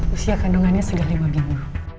usia kandungannya lima belas minggu